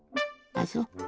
あそう。